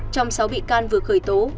trong sáu bị can vừa khởi tố